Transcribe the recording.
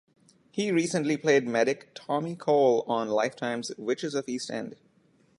He recently played medic Tommy Cole on Lifetime's "Witches of East End".